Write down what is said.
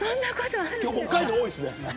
今日は北海道多いです。